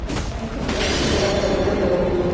Allí se queda hasta febrero del año siguiente.